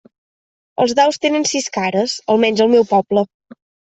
Els daus tenen sis cares, almenys al meu poble.